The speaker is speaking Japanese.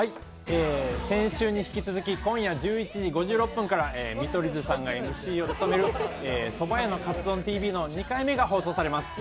先週に引き続き今夜１１時５６分から見取り図さんがＭＣを務める「蕎麦屋のかつ丼ＴＶ」の２回目が放送されます。